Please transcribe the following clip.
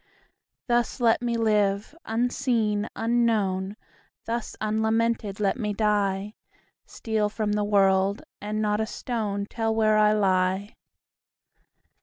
Thus let me live, unseen, unknown; Thus unlamented let me die; Steal from the world, and not a stone Tell where I lie.